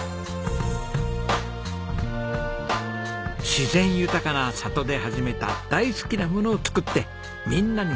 自然豊かな里で始めた大好きなものを作ってみんなに届ける暮らし。